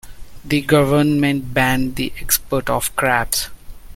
The government banned the export of crabs.